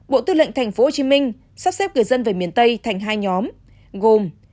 bộ tư lệnh tp hcm sắp xếp người dân về miền tây thành hai nhóm gồm